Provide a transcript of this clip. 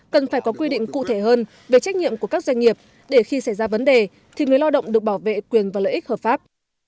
cần phải có quy định cụ thể hơn về trách nhiệm của các doanh nghiệp để khi xảy ra vấn đề thì người lao động được bảo vệ quyền và lợi ích hợp pháp